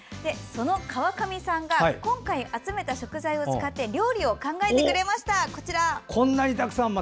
その川上さんが、今回集めた食材を使って料理を考えてくれました。